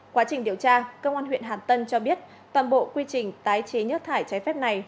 quá trình điều tra công an huyện hàn tân cho biết toàn bộ quy trình tái chế nhất thải trái phép này